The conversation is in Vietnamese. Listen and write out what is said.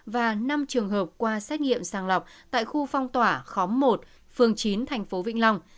và năm trường hợp qua xét nghiệm sàng lọc tại khu phong tỏa khóm một phường chín thành phố vĩnh long